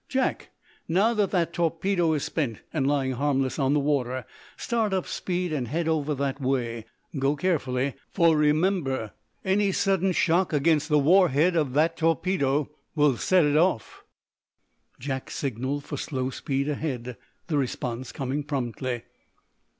"Jack, now that that torpedo is spent, and lying harmless on the water, start up speed and head over that way. Go carefully, for, remember, any sudden shock against the war head of the torpedo would set it off." Jack signaled for slow speed ahead, the response coming promptly.